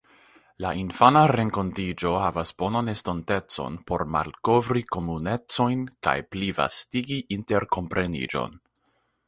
La infana renkontiĝo havas bonan estontecon por malkovri komunecojn kaj plivastigi interkompreniĝon.